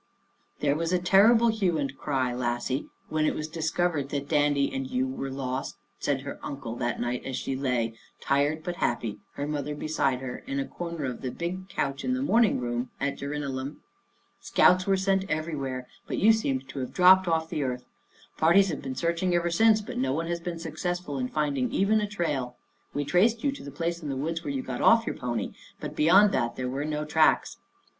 " There was a terrible hue and cry, lassie, when it was discovered that Dandy and you were THE BLACK BOY ON A PONY LED BY A WHITE CHILD. Dandy Saves the Day 129 lost," said her uncle that night as she lay, tired but happy, her mother beside her, in a corner of the big couch in the morning room at Djer inallum. " Scouts were sent everywhere, but you seemed to have dropped off the earth. Par ties have been searching ever since, but no one has been successful in finding even a trail. We traced you to the place in the woods where you got off your pony, but beyond that there were no tracks.